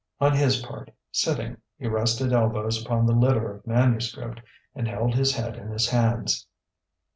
On his part, sitting, he rested elbows upon the litter of manuscript, and held his head in his hands.